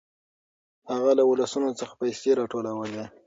هغه له ولسونو څخه پيسې راټولولې.